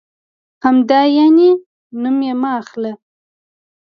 همدا یعنې؟ نوم یې مه اخله.